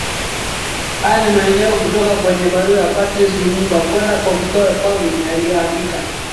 Haya ni maneno kutoka kwenye barua ya Patrice Lumumba kwenda kwa mkewe Pauline aliyoandika